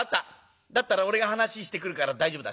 だったら俺が話してくるから大丈夫だ。